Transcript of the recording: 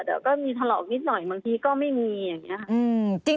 แต่ก็มีถลอกนิดหน่อยบางทีก็ไม่มีอย่างนี้ค่ะ